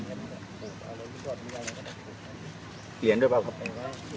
สวัสดีครับทุกคน